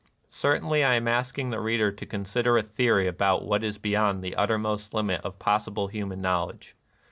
Certainly I am ask ing the reader to consider a theory about what is beyond the uttermost limit of possible hu man knowledge.